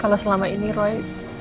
kalau selama ini roy